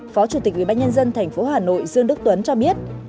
phó chủ tịch ubnd tp hà nội dương đức tuấn cho biết